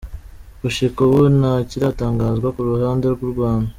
Gushika ubu nta kiratangazwa ku ruhande rw'u Rwanda.